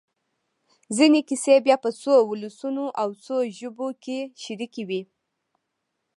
ځينې کیسې بیا په څو ولسونو او څو ژبو کې شریکې وي.